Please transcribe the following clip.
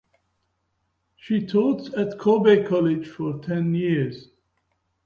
She taught at Kobe College for ten years.